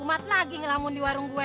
umat lagi ngelamun di warung gue